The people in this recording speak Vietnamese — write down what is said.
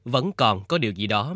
vẫn còn có điều gì đó